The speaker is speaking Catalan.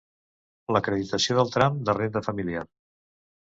L'acreditació del tram de renda familiar.